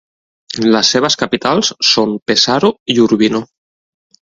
Les seves capitals són Pesaro i Urbino.